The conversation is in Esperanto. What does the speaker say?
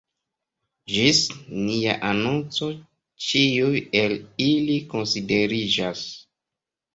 Ĝis nia anonco ĉiuj el ili konsideriĝas.